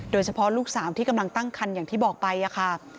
ลูกสาวที่กำลังตั้งคันอย่างที่บอกไปค่ะ